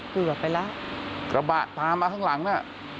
เกือบไปแล้วกระบะตามมาข้างหลังน่ะ